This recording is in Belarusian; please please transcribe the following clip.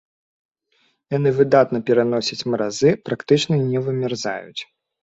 Яны выдатна пераносяць маразы, практычна не вымярзаюць.